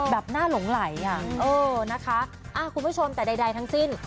แบบหน้าหลงไหลคุณผู้ชมแต่ใดทั้งสิ้น